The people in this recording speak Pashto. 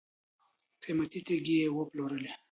قیمتي تیږي یې وپلورلې.